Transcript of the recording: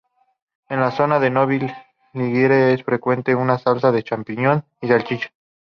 En la zona de Novi Ligure es frecuente una salsa de champiñón y salchicha.